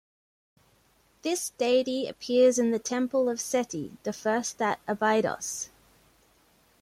This deity appears in the Temple of Seti the First at Abydos.